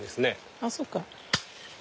あっそっか。